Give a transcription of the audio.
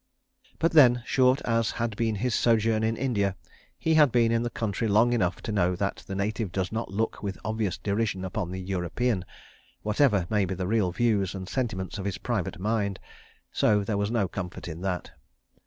But then, short as had been his sojourn in India, he had been in the country long enough to know that the native does not look with obvious derision upon the European, whatever may be the real views and sentiments of his private mind—so there was no comfort in that.